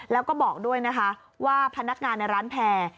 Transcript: แล้วก็บอกด้วยนะคะว่าพนักงานในร้านแพร่